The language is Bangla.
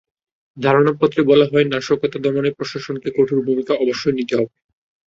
ধারণাপত্রে বলা হয়, নাশকতা দমনে প্রশাসনকে কঠোর ভূমিকা অবশ্যই নিতে হবে।